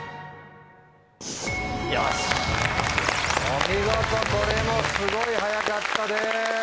お見事これもすごい早かったです。